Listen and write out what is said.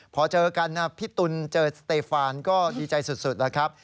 พอเจอกันพี่ตุ๋นเจอสเตฟานก็ดีใจสุดแล้วครับ